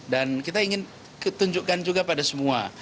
dan kita ingin tunjukkan juga pada semua